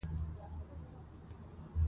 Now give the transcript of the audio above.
د تاريكي شپې استازى را روان دى